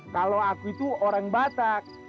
kalau aku itu orang batak